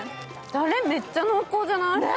タレ、めっちゃ濃厚じゃない？